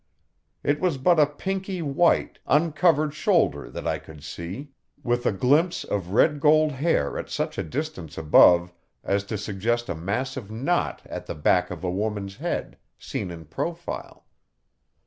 It was but a pinky white, uncovered shoulder that I could see, with a glimpse of red gold hair at such a distance above as to suggest a massive knot at the back of a woman's head, seen in profile.